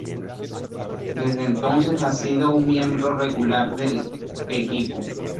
Desde entonces ha sido un miembro regular del equipo.